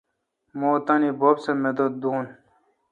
مہ تانی بب سہ مدد دون۔